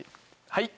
はい。